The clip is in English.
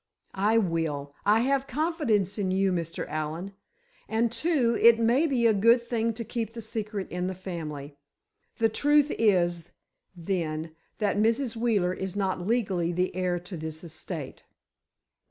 "I will; I have confidence in you, Mr. Allen, and, too, it may be a good thing to keep the secret in the family. The truth is, then, that Mrs. Wheeler is not legally the heir to this estate."